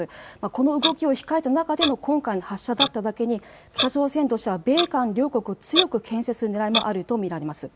この動きを控えた中での今回の発射だっただけに北朝鮮としては米韓両国を強くけん制するねらいもあると見られます。